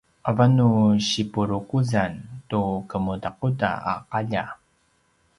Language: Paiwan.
avan nu sipurukuzan tu kemudakuda a qalja